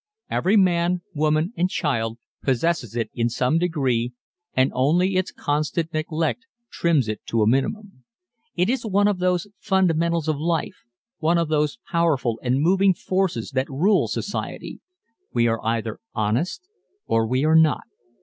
Every man, woman and child possesses it in some degree and only its constant neglect trims it to a minimum. It is one of those fundamentals of life, one of those powerful and moving forces that rule society. _We are either honest or we are not.